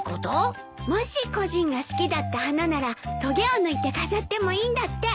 もし故人が好きだった花ならとげを抜いて飾ってもいいんだって。